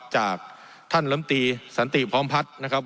จากท่านลำตีสันติพร้อมพัฒน์นะครับ